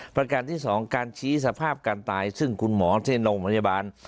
ประการที่๒การชี้สภาพการตายซึ่งคุณหมอที่โรงพยาบาล